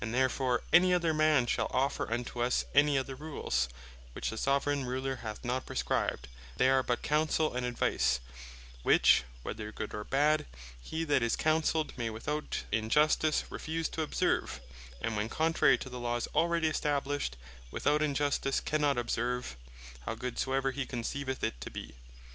When therefore any other man shall offer unto us any other Rules, which the Soveraign Ruler hath not prescribed, they are but Counsell, and Advice; which, whether good, or bad, hee that is counselled, may without injustice refuse to observe, and when contrary to the Laws already established, without injustice cannot observe, how good soever he conceiveth it to be.